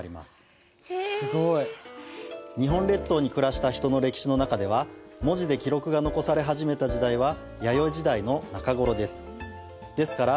すごい！日本列島に暮らした人の歴史の中では文字で記録が残され始めた時代は弥生時代の中頃です。